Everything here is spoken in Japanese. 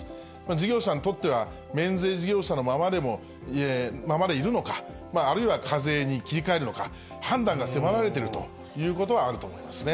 事業者にとっては、免税事業者のままでいるのか、あるいは課税に切り替えるのか、判断が迫られているということはあると思いますね。